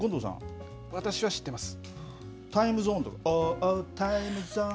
私は知ってます。